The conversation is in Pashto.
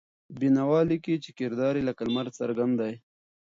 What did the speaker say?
بېنوا لیکي چې کردار یې لکه لمر څرګند دی.